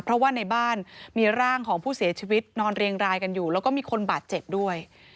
เพราะว่าในบ้านมีร่างของผู้เสียชีวิตนอนเรียงรายกันอยู่แล้วก็มีคนบาดเจ็บด้วย